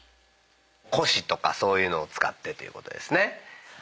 古紙とかそういうのを使ってということですね。